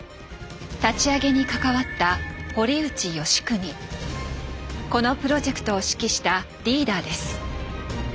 立ち上げに関わったこのプロジェクトを指揮したリーダーです。